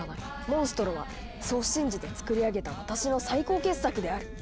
モンストロはそう信じてつくり上げた私の最高傑作である」。